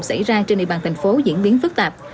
xảy ra trên địa bàn thành phố diễn biến phức tạp